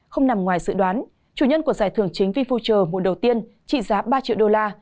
không nằm ngoài sự đoán chủ nhân của giải thưởng chính vinfuture mùa đầu tiên trị giá ba triệu đô la